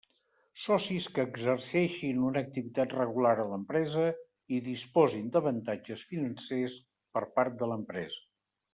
Socis que exerceixin una activitat regular a l'empresa i disposin d'avantatges financers per part de l'empresa.